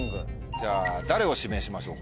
じゃあ誰を指名しましょうか？